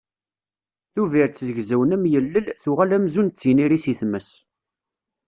Tubiret zegzawen am yilel, tuɣal amzun d tiniri seg tmes